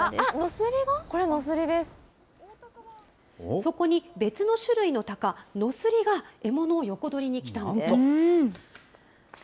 そこに、別の種類のタカ、ノスリが獲物を横取りに来たんです。